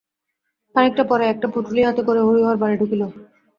খানিকটা পরে একটা পুটুলি হাতে হরিহর বাড়ি ঢুকিল।